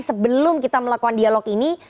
sebelum kita melakukan dialog ini